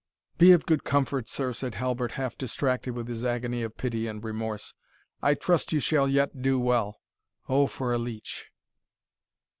"Be of good comfort, sir," said Halbert, half distracted with his agony of pity and remorse. "I trust you shall yet do well Oh for a leech!"